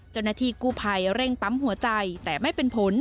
เจ้าหน้าที่กู้ภัยเร่งปั๊มหัวใจแต่ไม่เป็นผล